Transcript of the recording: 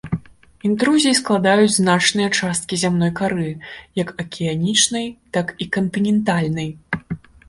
Інтрузіі складаюць значныя часткі зямной кары, як акіянічнай, так і кантынентальнай.